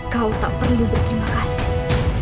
kau tak perlu berterima kasih